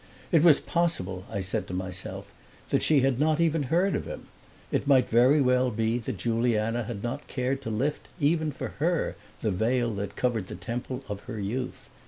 It was possible, I said to myself, that she had not even heard of him; it might very well be that Juliana had not cared to lift even for her the veil that covered the temple of her youth.